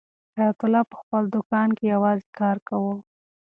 حیات الله په خپل دوکان کې یوازې کار کاوه.